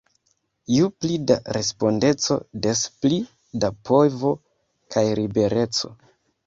Ju pli da respondeco, des pli da povo kaj libereco!